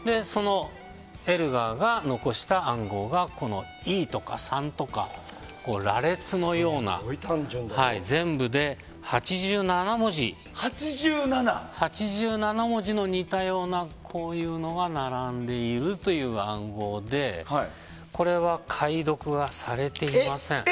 エルガーが残した暗号がこのＥとか３とか羅列のような全部で８７文字の似たようなこういうのが並んでいるという暗号でこれは、解読はされていません。